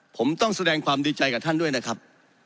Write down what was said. ผมต้องแสดงความดีใจกับท่านด้วยนะครับ